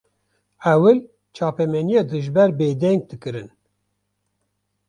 Ewil çapemeniya dijber bêdeng dikirin